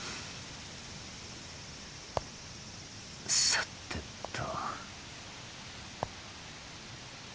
さてと。